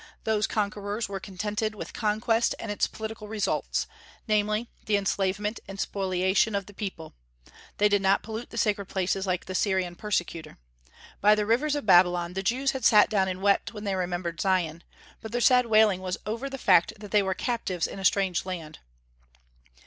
Those conquerors were contented with conquest and its political results, namely, the enslavement and spoliation of the people; they did not pollute the sacred places like the Syrian persecutor. By the rivers of Babylon the Jews had sat down and wept when they remembered Zion, but their sad wailing was over the fact that they were captives in a strange land.